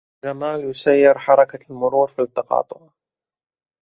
جمال يسيّر حركة المرور في التّقاطع.